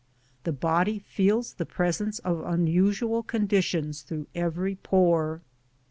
The body feels the presence of unusual conditions through every pore.